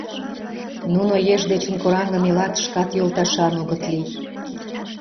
Нуно еш дечын кораҥын илат, шкат йолташан огыт лий.